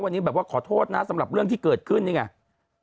วันนี้แบบว่าขอโทษนะสำหรับเรื่องที่เกิดขึ้นนี่ไง